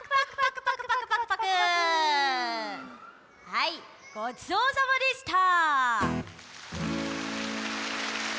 はいごちそうさまでした。